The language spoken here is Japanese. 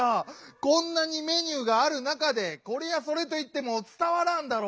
こんなにメニューがある中で「これ」や「それ」といってもつたわらんだろう！